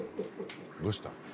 どうした？